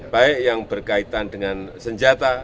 baik yang berkaitan dengan senjata